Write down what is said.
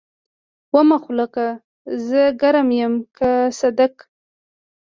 ومخلوقه! زه ګرم يم که صدک.